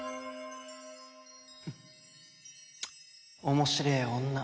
フッ面白え女。